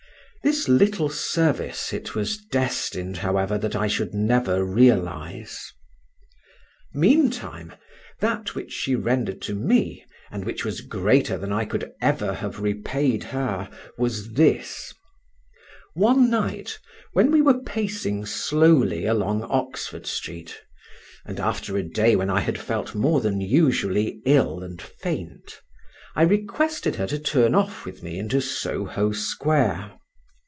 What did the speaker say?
This little service it was destined, however, that I should never realise. Meantime, that which she rendered to me, and which was greater than I could ever have repaid her, was this:—One night, when we were pacing slowly along Oxford Street, and after a day when I had felt more than usually ill and faint, I requested her to turn off with me into Soho Square.